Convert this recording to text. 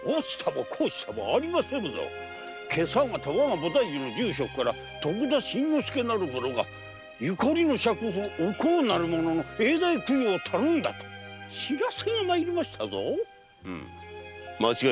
今朝わが菩提寺の住職から徳田新之助なる者がゆかりの酌婦・お幸なる者の永代供養を頼んだとの知らせがウム間違いない。